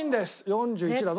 ４１だぞ。